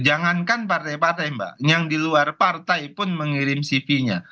jangankan partai partai mbak yang di luar partai pun mengirim cp nya